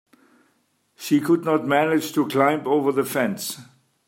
She could not manage to climb over the fence.